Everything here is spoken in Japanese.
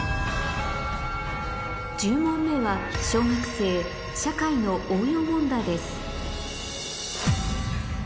１０問目は小学生社会の応用問題です